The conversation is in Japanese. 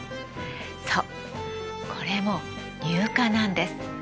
そうこれも乳化なんです。